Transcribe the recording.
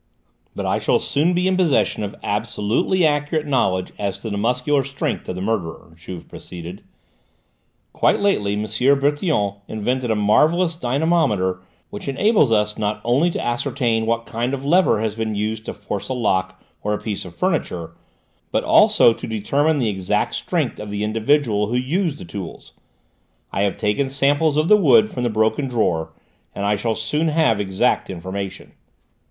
"But I shall soon be in possession of absolutely accurate knowledge as to the muscular strength of the murderer," Juve proceeded. "Quite lately M. Bertillon invented a marvellous dynamometer which enables us not only to ascertain what kind of lever has been used to force a lock or a piece of furniture, but also to determine the exact strength of the individual who used the tools. I have taken samples of the wood from the broken drawer, and I shall soon have exact information."